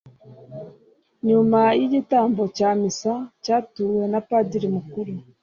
nyuma y’igitambo cya misa cyatuwe na padiri mukuru